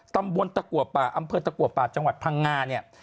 ตำบลตะกัวป่าอำเภอตะกัวป่าจังหวัดพังงาเนี่ย